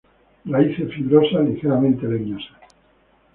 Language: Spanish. Raíces fibrosas ligeramente leñosas.